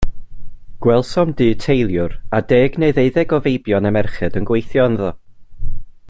Gwelsom dŷ teiliwr, a deg neu ddeuddeg o feibion a merched yn gweithio ynddo.